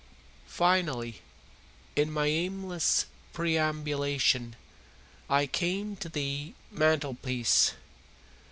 Finally, in my aimless perambulation, I came to the mantelpiece.